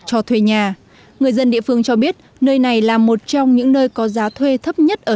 cho thuê nhà người dân địa phương cho biết nơi này là một trong những nơi có giá thuê thấp nhất ở